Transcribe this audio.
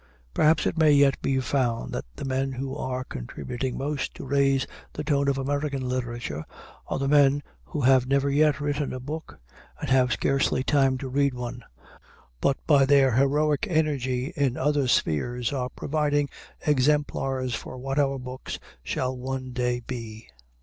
Perhaps it may yet be found that the men who are contributing most to raise the tone of American literature are the men who have never yet written a book and have scarcely time to read one, but by their heroic energy in other spheres are providing exemplars for what our books shall one day be.